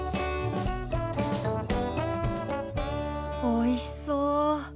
おいしそう。